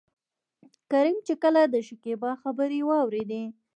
کريم چې کله دشکيبا خبرې واورېدې.